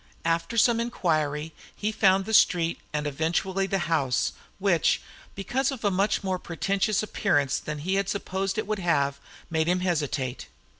After some inquiry he found the street and eventually the house, which, because of a much more pretentious appearance than he had supposed it would have, made him hesitate.